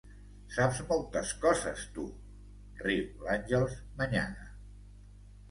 Saps moltes coses, tu! –riu l'Àngels, manyaga.